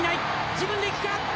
自分でいくか！